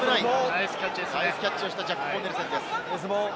ナイスキャッチをしたジャック・コーネルセンです。